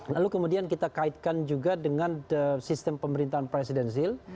lalu kemudian kita kaitkan juga dengan sistem pemerintahan presidensil